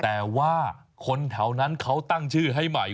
แต่ว่าคนแถวนั้นเขาตั้งชื่อให้ใหม่